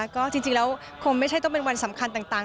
ก็จริงแล้วคงไม่ใช่ต้องเป็นวันสำคัญต่าง